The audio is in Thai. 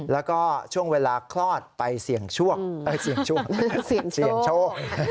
แล้วก็ช่วงเวลาคลอดไปเสี่ยงช่วงเสี่ยงโชค